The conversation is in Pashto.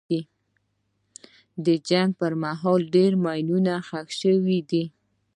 د جنګ پر مهال ډېر ماینونه ښخ شوي دي.